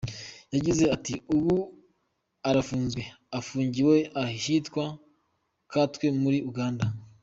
Yagize ati “Ubu arafunzwe, afungiwe ahitwa Katwe muri Uganda.